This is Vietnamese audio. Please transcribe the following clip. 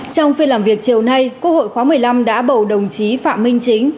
trong phiên làm việc chiều nay quốc hội khóa một mươi năm đã bầu đồng chí phạm minh chính